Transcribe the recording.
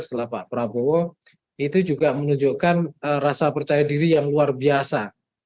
setelah pak prabowo itu juga menunjukkan rasa percaya diri yang luar biasa